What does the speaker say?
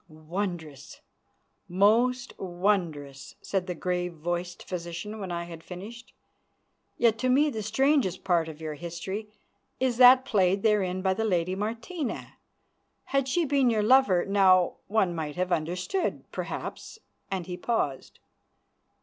"Wondrous! Most wondrous!" said the grave voiced physician when I had finished. "Yet to me the strangest part of your history is that played therein by the lady Martina. Had she been your lover, now, one might have understood perhaps," and he paused.